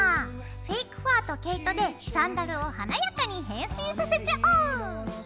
フェイクファーと毛糸でサンダルを華やかに変身させちゃおう！